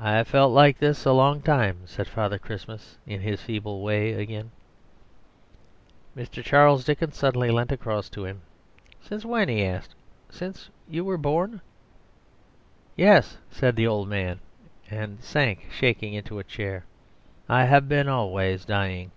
"I have felt like this a long time," said Father Christmas, in his feeble way again. Mr. Charles Dickens suddenly leant across to him. "Since when?" he asked. "Since you were born?" "Yes," said the old man, and sank shaking into a chair. "I have been always dying."